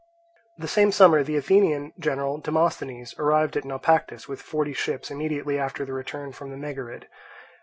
The same summer the Athenian general, Demosthenes, arrived at Naupactus with forty ships immediately after the return from the Megarid.